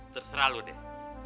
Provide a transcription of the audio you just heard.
terserah lu deh